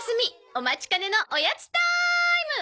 お待ちかねのおやつターイム！